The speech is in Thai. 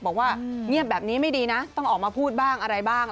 บอกว่าเงียบแบบนี้ไม่ดีนะต้องออกมาพูดบ้างอะไรบ้าง